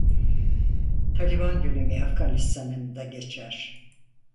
Taliban dönemi Afganistanında geçer.